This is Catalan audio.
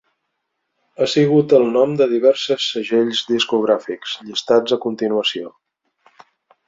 Ha sigut el nom de diverses segells discogràfics, llistats a continuació.